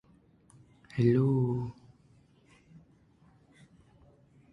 Ilmaters allies include Tyr, Torm and Lathander.